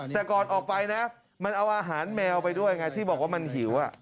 แต่ก่อนออกไปนะมันเอาอาหารแมวไปด้วยไงที่บอกว่ามันหิว